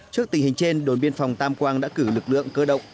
trước tình hình trên đồn biên phòng tam quang đã cử lực lượng cơ động